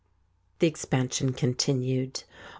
The expansion continued.